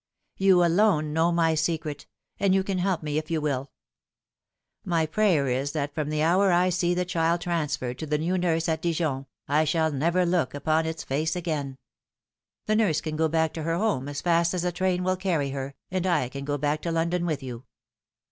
You aloue know my secret, and you can help me if you will. My prayer is that from the hour I see the child transferred to the new nurse at Dijon, I shall never look upon its face again. The nurse can go back to her home as fast as the train will carry her, and I can go back to London with you."